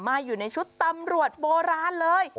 อยู่ในชุดตำรวจโบราณเลย